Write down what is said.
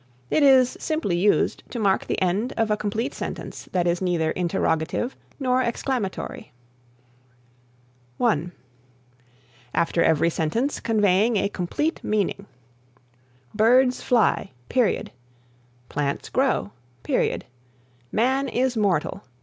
It is simply used to mark the end of a complete sentence that is neither interrogative nor exclamatory. (1) After every sentence conveying a complete meaning: "Birds fly." "Plants grow." "Man is mortal."